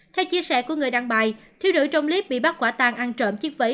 theo chia sẻ của người đăng bài thiếu nữ trong clip bị bắt quả tàn ăn trộm chiếc váy